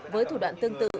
với thủ đoạn tương tự